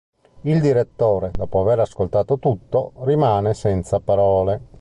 Il direttore, dopo aver ascoltato tutto, rimane senza parole.